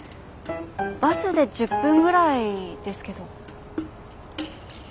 バスで１０分ぐらいですけど。